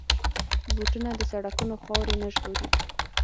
بوټونه د سړکونو خاورې نه ژغوري.